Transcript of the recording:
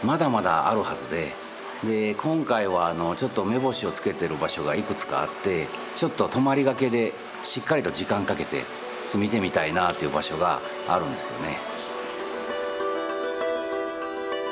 今回はちょっと目星をつけてる場所がいくつかあってちょっと泊まりがけでしっかりと時間かけて見てみたいなという場所があるんですよね。